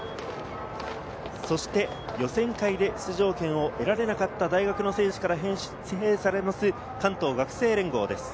そして予選会で出場権を得られなかった大学の選手から推薦されます、関東学生連合です。